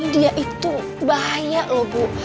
dia itu bahaya loh bu